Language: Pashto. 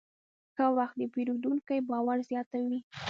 ښه خدمت د پیرودونکي باور زیاتوي.